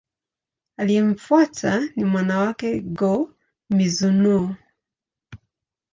Aliyemfuata ni mwana wake, Go-Mizunoo.